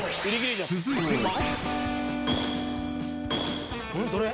［続いては］